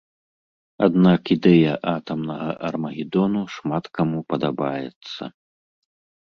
Аднак ідэя атамнага армагедону шмат каму падабаецца.